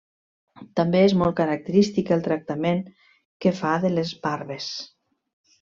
També és molt característic el tractament que fa de les barbes.